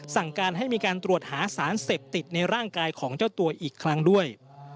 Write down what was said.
สั่งการให้มีการตรวจหาสารเสพติดในร่างกายของเจ้าตัวอีกครั้งด้วย